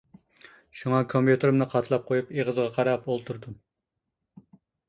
شۇڭا كومپيۇتېرىمنى قاتلاپ قويۇپ ئېغىزىغا قاراپ ئولتۇردۇم.